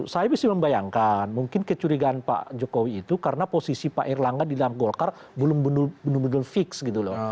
saya bisa membayangkan mungkin kecurigaan pak jokowi itu karena posisi pak erlangga di dalam golkar belum benar benar fix gitu loh